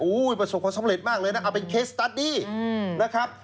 ประสบความสำเร็จมากเลยนะเอาเป็นเคสตาร์ดดี้นะครับ